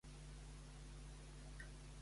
La tornarien a escollir com a Prelada?